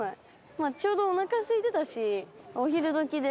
まぁちょうどおなかすいてたしお昼時で。